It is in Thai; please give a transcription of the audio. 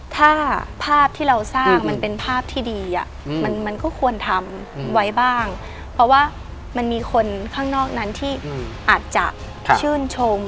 ถ้าภาพที่เราสร้างมันเป็นภาพที่ดีมันก็ควรทำไว้บ้างเพราะว่ามันมีคนข้างนอกนั้นที่อาจจะชื่นชม